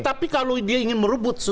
tapi kalau dia ingin merebut